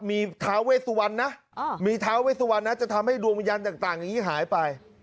มีท้าเวสวรรณนะมีท้าเวสวันนะจะทำให้ดวงวิญญาณต่างอย่างนี้หายไป